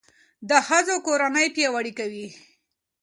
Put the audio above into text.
د ښځو کار کورنۍ پیاوړې کوي.